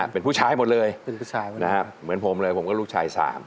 เป็นผู้ชายหมดเลยนะครับเหมือนผมเลยผมก็ลูกชาย๓